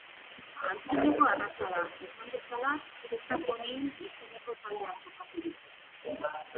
Antzineko arraza da, esan bezala Zelta ponien izeneko taldean kokaturik.